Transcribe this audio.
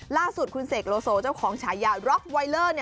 ล่าสุดคุณเสกโลโซเจ้าของฉายาร็อกไวเลอร์